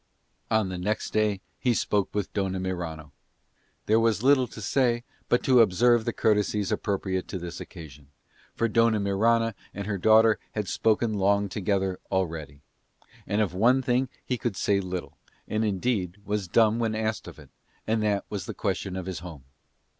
On the next day he spoke with Dona Mirano. There was little to say but to observe the courtesies appropriate to this occasion, for Dona Mirana and her daughter had spoken long together already; and of one thing he could say little, and indeed was dumb when asked of it, and that was the question of his home.